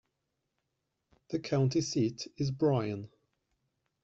The county seat is Bryan.